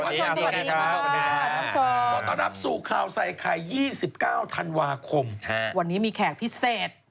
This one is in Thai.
ต่อต่อรับสู่ข่าวใส่ไข่๒๙ธันวาคมวันนี้มีแขกพิเศษ